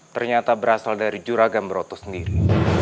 ternyata berasal dari juragan broto sendiri